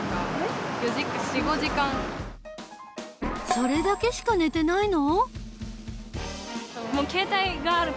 それだけしか寝てないの？